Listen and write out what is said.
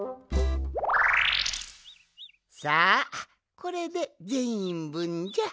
さあこれでぜんいんぶんじゃ。